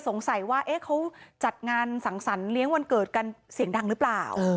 สงสัยว่าเขาจัดงานสังสรรค์เลี้ยงวันเกิดกันเสียงดังหรือเปล่า